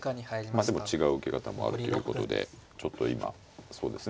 まあでも違う受け方もあるということでちょっと今そうですね